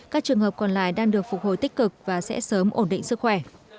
các trường hợp còn lại đang được phục hồi tích cực và sẽ sớm ổn định sức khỏe